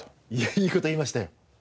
いい事言いましたよ。